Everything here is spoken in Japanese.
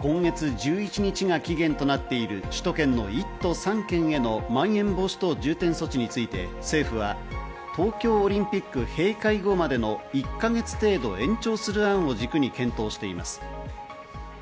今月１１日が期限となっている首都圏の１都３県へのまん延防止等重点措置について、政府は東京オリンピック閉会後までの１か月程度延長する案を軸に検討しています。